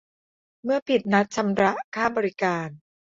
เมื่อผิดนัดชำระค่าบริการ